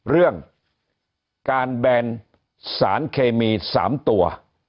เรื่องการแบนสารเคมี๓ตัว